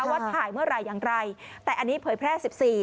ว่าถ่ายเมื่อไหร่อย่างไรแต่อันนี้เผยแพร่๑๔